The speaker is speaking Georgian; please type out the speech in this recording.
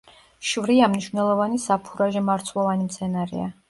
შვრია მნიშვნელოვანი საფურაჟე მარცვლოვანი მცენარეა.